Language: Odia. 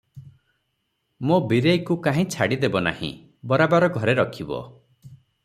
ମୋ ବୀରେଇକୁ କାହିଁ ଛାଡ଼ିଦେବ ନାହିଁ ବରାବର ଘରେ ରଖିବ ।